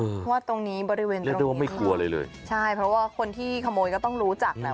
เพราะว่าตรงนี้บริเวณตรงนี้ค่ะใช่เพราะว่าคนที่ขโมยก็ต้องรู้จักแหละ